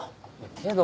けど。